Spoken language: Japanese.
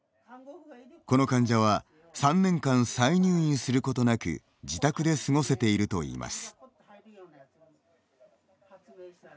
この患者は、３年間再入院することなく自宅で過ごせているといいます。